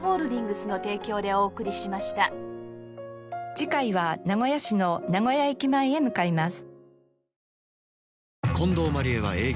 次回は名古屋市の名古屋駅前へ向かいます。